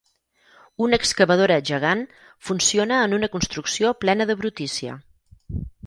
Una excavadora gegant funciona en una construcció plena de brutícia.